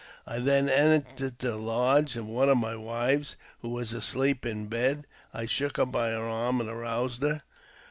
I then entered the lodge of one of my wives, i who was asleep in bed. I shook her by the arm, and aroused f her.